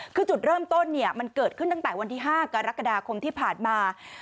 คือจุดเริ่มต้นมันเกิดขึ้นตั้งแต่วันที่๕กรกฎาคมที่ผ่านมา